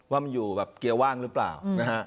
ว่ามันอยู่แบบเกียร์ว่างหรือเปล่านะฮะ